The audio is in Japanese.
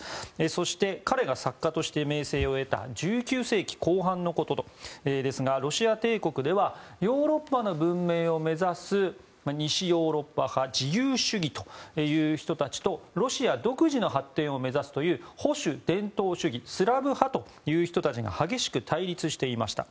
そして、彼が作家として名声を得た１９世紀後半のころはロシア帝国ではヨーロッパの文明を目指す西ヨーロッパ派自由主義の人たちとロシア独自の発展を目指す保守伝統主義スラブ派という人たちが激しく対立していました。